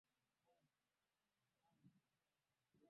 Tena ni udongo na wewe mfinyanzi Baba